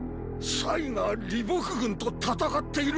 ⁉が李牧軍と戦っているっ